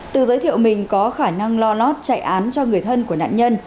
từ giới thiệu mình có khả năng lo lót chạy án cho người thân của nạn nhân